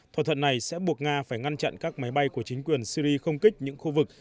thỏa thuận này sẽ buộc nga phải ngăn chặn các máy bay của chính quyền syri không kích những khu vực